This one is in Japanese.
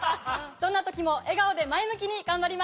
どんな時も笑顔で前向きに頑張ります。